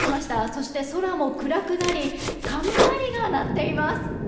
そして、空も暗くなり雷が鳴っています。